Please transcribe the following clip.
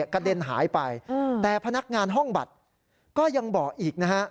กระเด็นหายไปแต่พนักงานห้องบัตรก็ยังบอกอีกนะฮะ